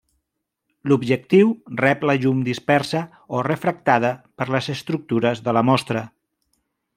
L'objectiu rep la llum dispersa o refractada per les estructures de la mostra.